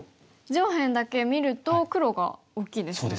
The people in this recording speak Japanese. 上辺だけ見ると黒が大きいですよね。